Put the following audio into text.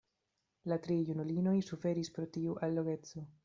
La tri junulinoj suferis pro tiu allogeco.